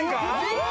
うわ！